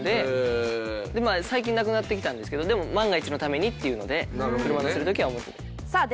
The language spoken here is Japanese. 最近なくなってきたんですけどでも万が一のためにっていうので車乗せる時はオムツで。